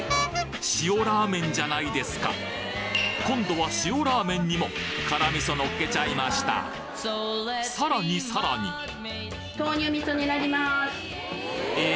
塩ラーメンじゃないですか今度は塩ラーメンにも辛味噌のっけちゃいましたさらにさらにえ！？